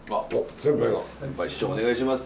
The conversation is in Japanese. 先輩師匠お願いします。